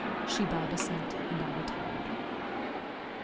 She bowed assent, and I retired.